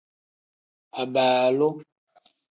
Abaalu.